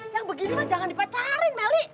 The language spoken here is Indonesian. yang begini mah jangan dipacarin meli